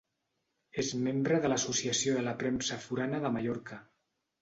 És membre de l'Associació de la Premsa Forana de Mallorca.